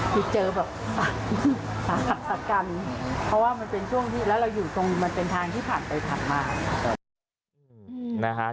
คือเจอแบบสาหัสสกรรมเพราะว่ามันเป็นช่วงที่แล้วเราอยู่ตรงมันเป็นทางที่ผ่านไปผ่านมา